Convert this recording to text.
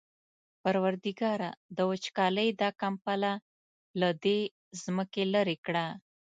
پروردګاره د وچکالۍ دا کمپله له دې ځمکې لېرې کړه.